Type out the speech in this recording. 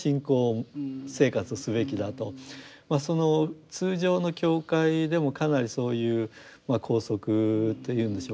その通常の教会でもかなりそういう拘束っていうんでしょうかね